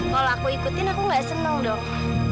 kalau aku ikutin aku gak seneng dong